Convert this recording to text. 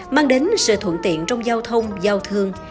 mang đến sự thuận tiện trong giao thông giao thương